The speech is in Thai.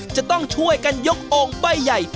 จะต้องช่วยกันยกโอ่งใบใหญ่